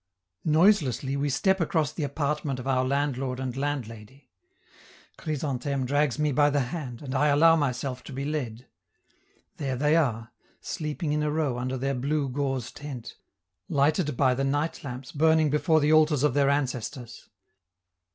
Noiselessly we step across the apartment of our landlord and landlady. Chrysantheme drags me by the hand, and I allow myself to be led. There they are, sleeping in a row under their blue gauze tent, lighted by the night lamps burning before the altars of their ancestors.